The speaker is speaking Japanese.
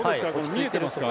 見えていますか？